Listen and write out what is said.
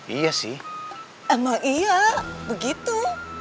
iya sih emang iya begitu